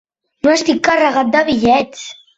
No estic carregat de bitllets.